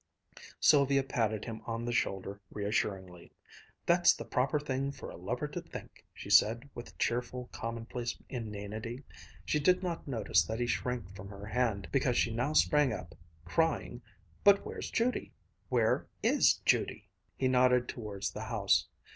Sylvia patted him on the shoulder reassuringly. "That's the proper thing for a lover to think!" she said with cheerful, commonplace inanity. She did not notice that he shrank from her hand, because she now sprang up, crying, "But where's Judy? Where is Judy?" He nodded towards the house.